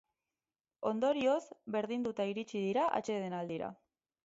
Ondorioz, berdinduta iritsi dira atsedenaldira.